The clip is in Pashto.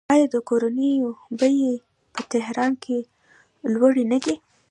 آیا د کورونو بیې په تهران کې لوړې نه دي؟